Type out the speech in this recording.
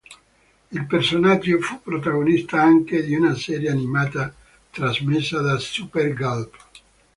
Il personaggio fu protagonista anche di una serie animata trasmessa da SuperGulp!